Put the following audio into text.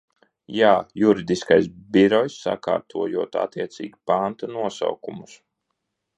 Jā, Juridiskais birojs, sakārtojot attiecīgi pantu nosaukumus.